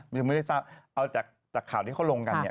เอาจากข่าวที่เขาลงกันเนี่ย